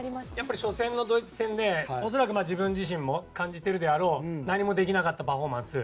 初戦のドイツ戦で自分自身も感じてるであろう何もできなかったパフォーマンス。